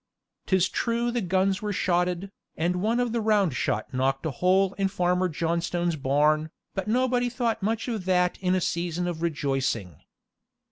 'T is true the guns were shotted, and one of the round shot knocked a hole in Farmer Johnstone's barn, but nobody thought much of that in such a season of rejoicing.